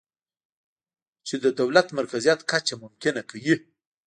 چې د دولت د مرکزیت کچه ممکنه کوي